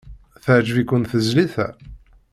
Teɛjeb-iken tezlit-a?